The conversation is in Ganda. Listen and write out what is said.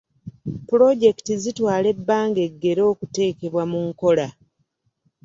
Pulojekiti zitwala ebbanga eggere okuteekebwa mu nkola.